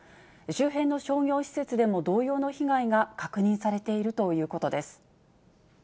周辺の商業施設でも同様の被害が確認されているということです。